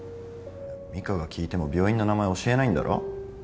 ミカが聞いても病院の名前教えないんだろ？